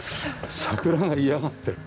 桜が嫌がってる。